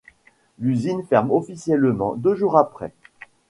L’usine ferme officiellement deux jours après.